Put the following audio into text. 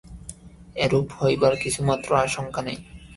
এরূপ হইবার কিছুমাত্র আশঙ্কা নাই।